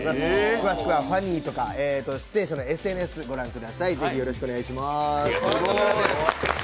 詳しくはＦＡＮＹとか出演者のＳＮＳを御覧ください。